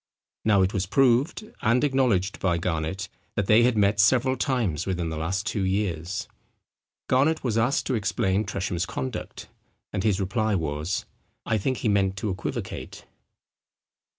Now it was proved, and acknowledged by Garnet, that they had met several times within the last two years. Garnet was asked to explain Tresham's conduct; and his reply was, "I think he meant to equivocate."